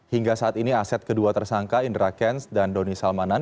hingga saat ini aset kedua tersangka indra kents dan doni salmanan